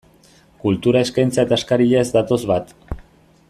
Kultura eskaintza eta eskaria ez datoz bat.